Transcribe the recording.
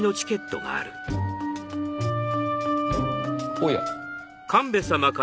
おや。